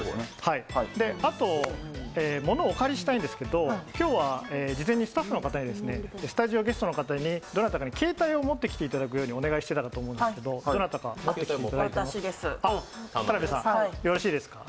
あと、ものをお借りしたいんですけど、今日は事前にスタッフの方にスタジオゲストの方にどなたかに携帯を持ってきていただくようにお願いしていたんですがどなたか持っていますか？